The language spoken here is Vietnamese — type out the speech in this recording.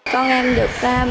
con em được ba ba